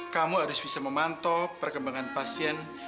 kamu harus bisa memantau perkembangan pasien